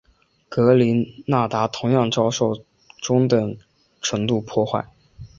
格林纳达同样遭受中等程度破坏。